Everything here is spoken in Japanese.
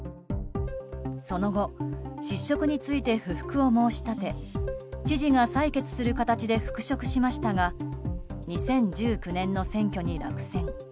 その後、失職について不服を申し立て知事が裁決する形で復職しましたが２０１９年の選挙に落選。